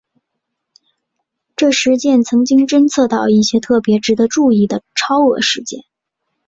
这实验曾经侦测到一些特别值得注意的超额事件。